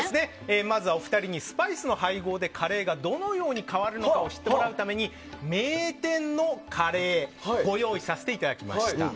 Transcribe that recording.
まずはスパイスの配合でカレーがどのように変わるか知ってもらうために名店のカレーご用意させていただきました。